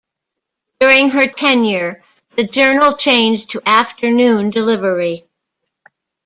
During her tenure, the Journal changed to afternoon delivery.